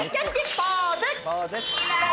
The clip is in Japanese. ポーズ！